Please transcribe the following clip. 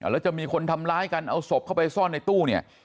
แล้วจะมีคนทำร้ายกันเอาศพเข้าไปซ่อนในตู้เนี่ย